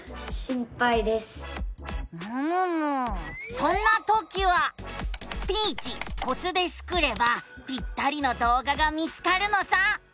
そんなときは「スピーチコツ」でスクればぴったりの動画が見つかるのさ。